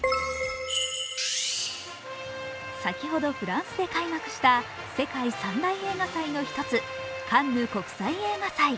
先ほどフランスで開幕した世界三大映画祭の一つカンヌ国際映画祭。